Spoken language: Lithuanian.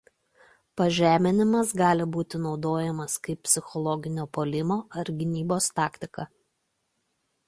Pažeminimas gali būti naudojamas kaip psichologinio puolimo ar gynybos taktika.